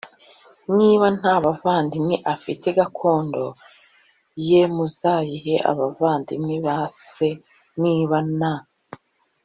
niba nta bavandimwe afite gakondo ye muzayihe abavandimwe ba se niba na